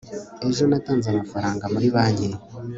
ejo natanze amafaranga muri banki